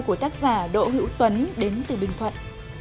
của tác giả đỗ hữu tuấn đến từ bình thuận